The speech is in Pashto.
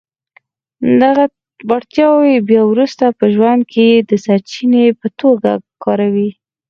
دغه وړتياوې بيا وروسته په ژوند کې د سرچینې په توګه کاروئ.